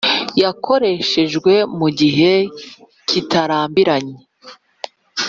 yakoreshejwe mu gihe kitarambiranye